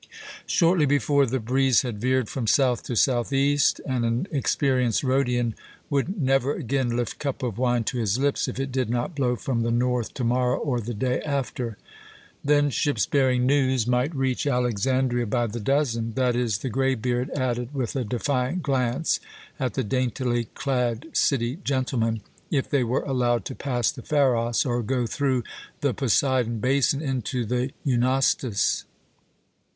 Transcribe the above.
Shortly before the breeze had veered from south to southeast, and an experienced Rhodian would "never again lift cup of wine to his lips" if it did not blow from the north to morrow or the day after. Then ships bearing news might reach Alexandria by the dozen that is, the greybeard added with a defiant glance at the daintily clad city gentleman if they were allowed to pass the Pharos or go through the Poseidon basin into the Eunostus.